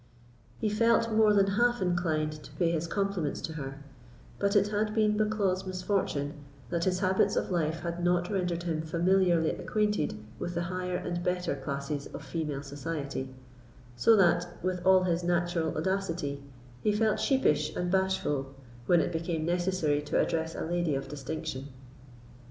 He felt more than half inclined to pay his compliments to her; but it had been Bucklaw's misfortune, that his habits of life had not rendered him familiarly acquainted with the higher and better classes of female society, so that, with all his natural audacity, he felt sheepish and bashful when it became necessary to address a lady of distinction.